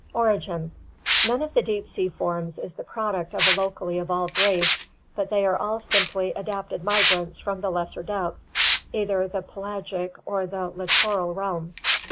Origin. — None of the deep sea forms is the product of a locally evolved race, but they are all simply adapted migrants from the lesser depths, either the pelagic or the littoral realms.